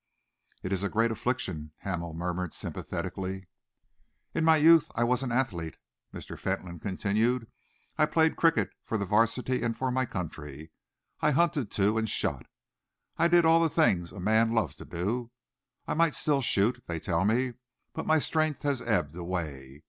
"It is a great affliction," Hamel murmured sympathetically. "In my youth I was an athlete," Mr. Fentolin continued. "I played cricket for the Varsity and for my county. I hunted, too, and shot. I did all the things a man loves to do. I might still shoot, they tell me, but my strength has ebbed away.